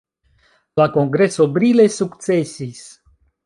La Kongreso brile sukcesis.